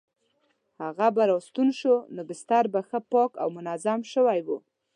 هغه به راستون شو نو بستر به ښه پاک او منظم شوی وو.